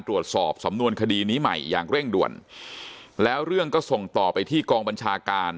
ตรวจสอบสำนวนคดีนี้ใหม่อย่างเร่งด่วนแล้วเรื่องก็ส่งต่อไปที่กองบัญชาการ